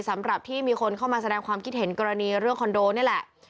สำหรับที่มีคนเข้ามาแสดงความคิดเห็นกรณีเรื่องคอนโดนี่แหละ